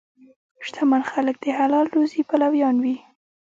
شتمن خلک د حلال روزي پلویان وي.